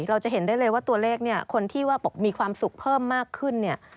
เราจะเห็นได้เลยว่าตัวเลขเนี่ยคนที่ว่ามีความสุขเพิ่มมากขึ้นเนี่ย